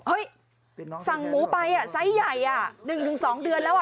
เฮ่ยสั่งหมูไปไซส์ใหญ่๑๒เดือนแล้ว